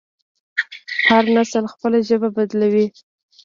هر نسل خپله ژبه بدلوي.